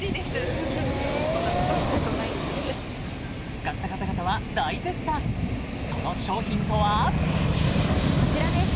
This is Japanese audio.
使った方々は大絶賛その商品とはこちらです